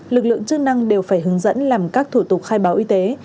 lực lượng chức năng đều phải hướng dẫn làm các thủ tục khai báo y tế